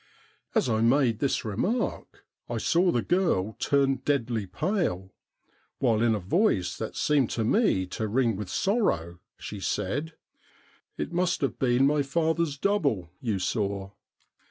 As I made this remark I saw the girl turn deadly pale, while in a voice that seemed to me to ring with sorrow she said :' It must have been my father's double you saw.'